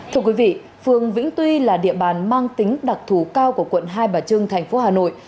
thưa quý vị phường vĩnh tuy là địa bàn mang tính đặc thù cao của quận hai bà trưng thành phố hà nội